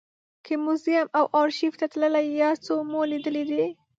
که موزیم او ارشیف ته تللي یاست څه مو لیدلي دي.